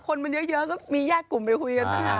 คนมันเยอะก็มีแยกกลุ่มไปคุยกันตั้ง